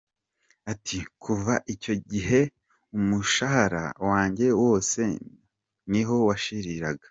Ati “Kuva icyo gihe umushahara wanjye wose ni ho washiriraga.